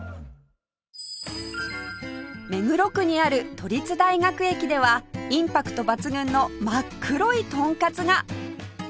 目黒区にある都立大学駅ではインパクト抜群の真っ黒いトンカツが！